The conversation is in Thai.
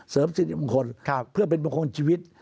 เสริมสินค้าบังคลเพื่อเป็นบังคลชีวิต